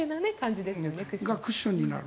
クッションになる。